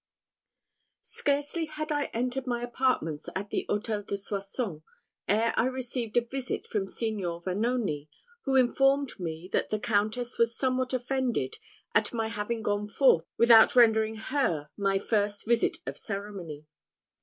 Scarcely had I entered my apartments in the Hôtel de Soissons, ere I received a visit from Signor Vanoni, who informed me that the Countess was somewhat offended at my having gone forth without rendering her my first visit of ceremony.